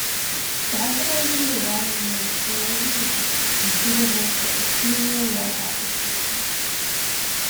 Galvanizing the wire made it corrosion resistant and suitable for exterior wall applications.